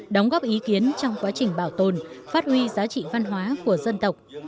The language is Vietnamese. đóng góp ý kiến trong quá trình bảo tồn phát huy giá trị văn hóa của dân tộc